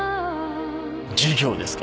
授業ですか。